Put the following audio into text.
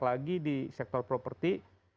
lagi di sektor property